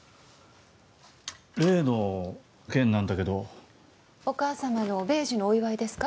例の件なんだけどお義母様の米寿のお祝いですか？